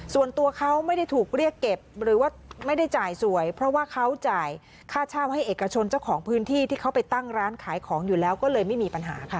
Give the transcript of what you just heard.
ส่วนตัวเขาไม่ได้ถูกเรียกเก็บหรือว่าไม่ได้จ่ายสวยเพราะว่าเขาจ่ายค่าเช่าให้เอกชนเจ้าของพื้นที่ที่เขาไปตั้งร้านขายของอยู่แล้วก็เลยไม่มีปัญหาค่ะ